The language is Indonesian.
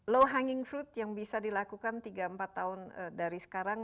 low hanging fruit yang bisa dilakukan tiga empat tahun dari sekarang